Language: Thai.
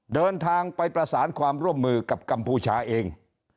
เดินทางไปประสานความร่วมมือกับกัมพูชาเอง